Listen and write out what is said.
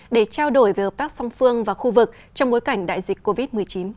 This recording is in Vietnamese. để trao đổi về hợp tác song phương và khu vực trong bối cảnh đại dịch covid một mươi chín